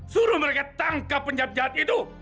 suruh mereka tangkap penjahat penjahat itu